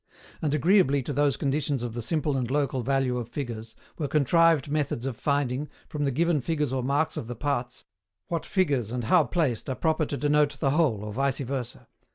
And agreeably to those conditions of the simple and local value of figures, were contrived methods of finding, from the given figures or marks of the parts, what figures and how placed are proper to denote the whole, or vice versa.